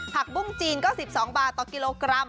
บุ้งจีนก็๑๒บาทต่อกิโลกรัม